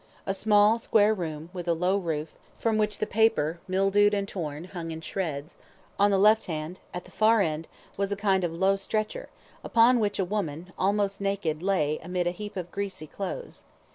A small square room, with a low roof, from which the paper mildewed and torn hung in shreds; on the left hand, at the far end, was a kind of low stretcher, upon which a woman, almost naked, lay, amid a heap of greasy clothes.